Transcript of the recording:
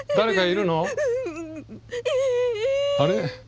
あれ？